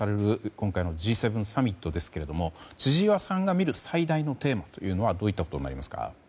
今回のＧ７サミットですけれども千々岩さんが見る最大のテーマはどういったことになりますか？